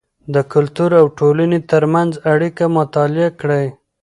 د کلتور او ټولنې ترمنځ اړیکه مطالعه کړئ.